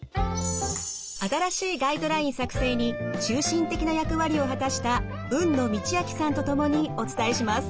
新しいガイドライン作成に中心的な役割を果たした海野倫明さんと共にお伝えします。